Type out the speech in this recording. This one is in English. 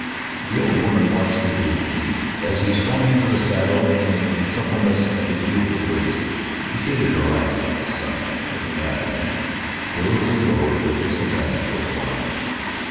The old woman watched the Duke keenly as he swung into the saddle in the suppleness of his youthful grace. She shaded her eyes against the sun, looking after him still as he rode with his companion toward the barn.